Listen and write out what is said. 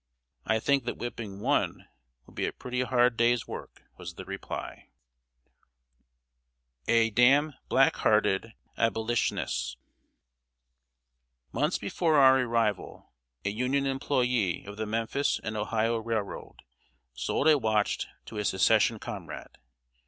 "I think that whipping one would be a pretty hard day's work!" was the reply. [Sidenote: "A DAM BLACK HARTED ABLICHINESS."] Months before our arrival, a Union employé of the Memphis and Ohio Railroad sold a watch to a Secession comrade.